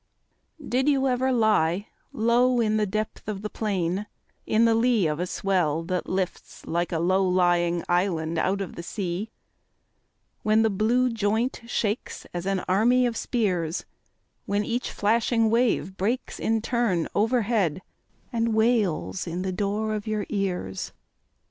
Did you ever lie low In the depth of the plain, & In the lee of a swell that lifts Like a low lying island out of the sea, When the blue joint shakes As an army of spears; When each flashing wave breaks In turn overhead And wails in the door of your ears